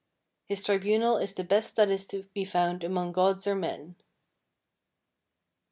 "His tribunal is the best that is to be found among gods or men.